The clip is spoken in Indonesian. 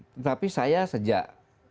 tetapi saya sejak